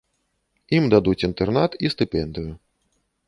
Ім дадуць інтэрнат і стыпендыю.